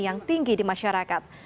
yang tinggi di masyarakat